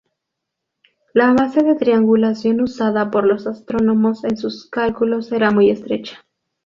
La base de triangulación usada por los astrónomos en sus cálculos era muy estrecha.